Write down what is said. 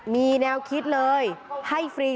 มีแนวคิดเลยให้ฟรี